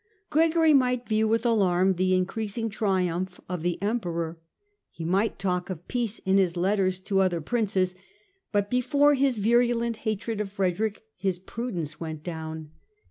Gregory might view with alarm the increasing triumph of the Emperor ; he might talk of peace in his letters to other Princes ; but before his virulent hatred of Frede rick his prudence went down.